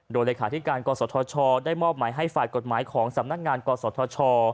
โดยเลขาธิการกศธชได้มอบหมายให้ฝ่ายกฎหมายของสำนักงานกศธช